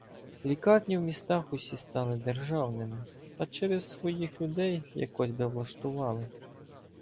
Лікарні в містах усі стали державними, та через своїх людей якось би влаштували.